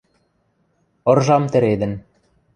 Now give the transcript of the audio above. Ыржам тӹредӹн.